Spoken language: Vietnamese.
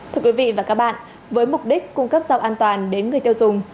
thưa quý vị và các bạn với mục đích cung cấp rau an toàn đến người tiêu dùng